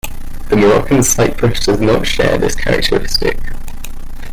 The Moroccan cypress does not share this characteristic.